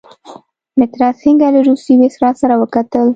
مترا سینګه له روسيې له ویسرا سره وکتل.